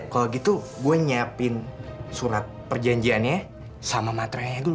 kalau gitu gue siapin surat perjanjiannya sama matrenya dulu